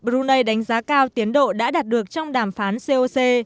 brunei đánh giá cao tiến độ đã đạt được trong đàm phán coc